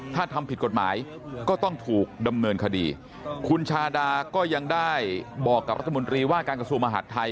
ถ้าทำผิดกฎหมายก็ต้องถูกดำเนินคดีคุณชาดาก็ยังได้บอกกับรัฐมนตรีว่าการกระทรวงมหาดไทย